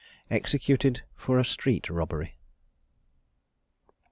EXECUTED FOR A STREET ROBBERY.